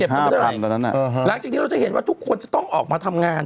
หลังจากนี้เราจะเห็นว่าทุกคนจะต้องออกมาทำงาน